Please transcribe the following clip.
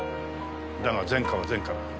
だが前科は前科。